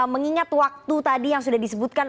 mengingat waktu tadi yang sudah disebutkan